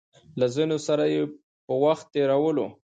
له ځينو سره يې په وخت تېرولو